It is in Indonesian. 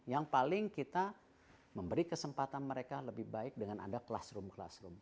yang paling kita memberi kesempatan mereka lebih baik dengan ada classroom classroom